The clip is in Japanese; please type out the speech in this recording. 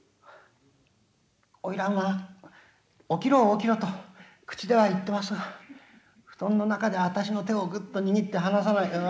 「花魁は起きろ起きろと口では言ってますが布団の中ではあたしの手をぐっと握って離さない」。